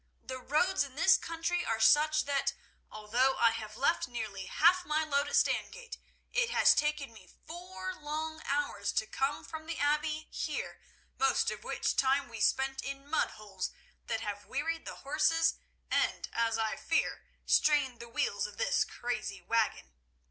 "The roads in this country are such that, although I have left nearly half my load at Stangate, it has taken me four long hours to come from the Abbey here, most of which time we spent in mud holes that have wearied the horses and, as I fear, strained the wheels of this crazy wagon.